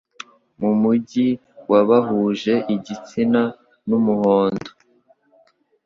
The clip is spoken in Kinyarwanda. Mu mujyi w'abahuje igitsina n'umuhondo